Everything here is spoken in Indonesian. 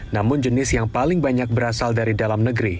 namun jenis yang paling banyak berasal dari dalam negeri